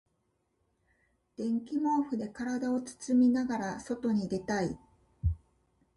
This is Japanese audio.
電気毛布で体を包みながら外に出たい。